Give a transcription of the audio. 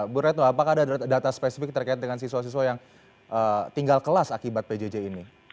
bu retno apakah ada data spesifik terkait dengan siswa siswa yang tinggal kelas akibat pjj ini